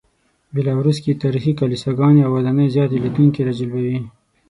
بیلاروس کې تاریخي کلیساګانې او ودانۍ زیاتې لیدونکي راجلبوي.